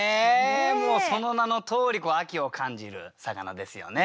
もうその名のとおり秋を感じる魚ですよね。